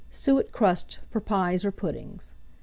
SUET CRUST, for Pies or Puddings.